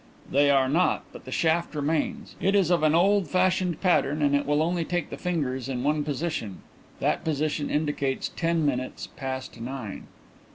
"They are not, but the shaft remains. It is of an old fashioned pattern and it will only take the fingers in one position. That position indicates ten minutes past nine."